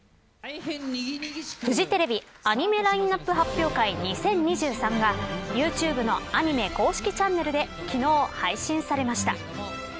フジテレビアニメラインナップ発表会２０２３がユーチューブのアニメ公式チャンネルで昨日、配信されました。